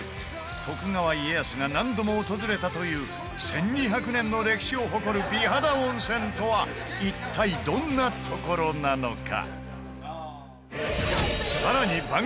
徳川家康が何度も訪れたという１２００年の歴史を誇る美肌温泉とは一体、どんな所なのか？